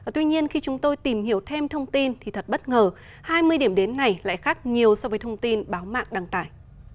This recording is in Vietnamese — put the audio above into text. tuy nhiên khi chúng tôi tìm hiểu thêm thông tin thì thật bất ngờ hai mươi điểm đến này lại khác nhiều so với thông tin báo mạng đăng tải